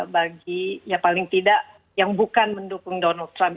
bagi ya paling tidak yang bukan mendukung donald trump